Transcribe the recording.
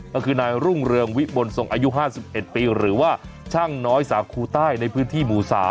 ก็คือนายรุ่งเรืองวิบลทรงอายุ๕๑ปีหรือว่าช่างน้อยสาคูใต้ในพื้นที่หมู่๓